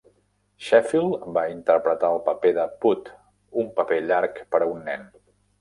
Sheffield va interpretar el paper de Pud, un paper llarg per a un nen.